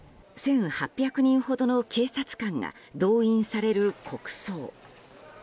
１８００人ほどの警察官が動員される国葬。